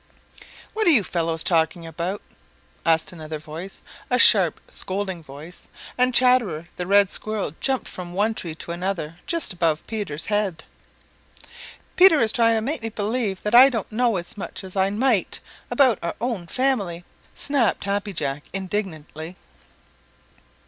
"What are you fellows talking about?" asked another voice, a sharp scolding voice, and Chatterer the Red Squirrel jumped from one tree to another just above Peter's head. "Peter is trying to make me believe that I don't know as much as I might about our own family," snapped Happy Jack indignantly.